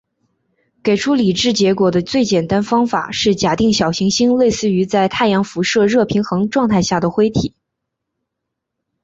给出理智结果的最简单方法是假定小行星类似于在太阳辐射热平衡状态下的灰体。